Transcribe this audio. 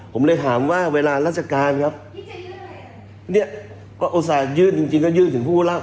ผมเลยถามว่าเวลาราชการครับเนี่ยก็อุตส่าห์ยื่นจริงจริงก็ยื่นถึงผู้รับ